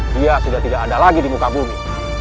dia sudah tidak ada lagi di muka bumi